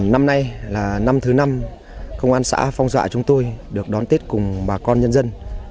năm nay là năm thứ năm công an xã phong dụ dạ chúng tôi được đón tết cùng bà con nhân dân